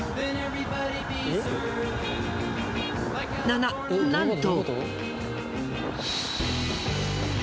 なななんと！